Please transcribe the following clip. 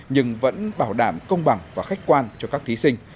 nhưng vẫn bảo đảm công bằng và khách quan cho các thí sinh